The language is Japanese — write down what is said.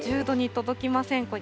１０度に届きません。